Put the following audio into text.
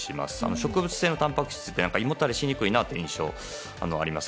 植物性のたんぱく質って胃もたれしにくい印象はあります。